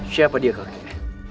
siapa dia kakek